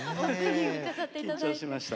緊張しました。